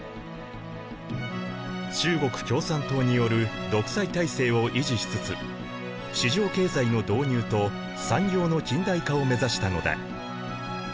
中国共産党による独裁体制を維持しつつ市場経済の導入と産業の近代化を目指したのだ。